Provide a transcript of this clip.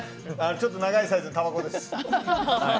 ちょっと長いサイズのたばこです。